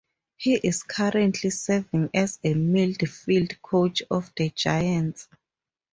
He is currently serving as the midfield coach of the Giants.